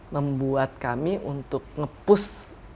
membuat kami untuk nge push